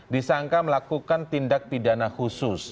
disangka melakukan tindak pidana khusus